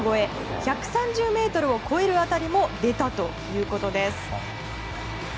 １３０ｍを超える当たりも出たということです。